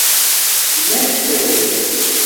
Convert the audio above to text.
Ne vere...